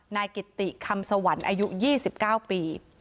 นายกิติคำสวรรค์อายุ๒๙ปี